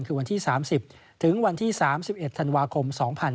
คือวันที่๓๐ถึง๓๑ธนวาคม๒๕๕๗